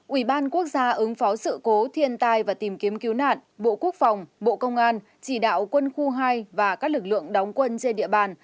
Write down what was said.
bốn ubnd ứng phó sự cố thiên tai và tìm kiếm cứu nạn bộ quốc phòng bộ công an chỉ đạo quân khu hai và các lực lượng đóng quân trên địa bàn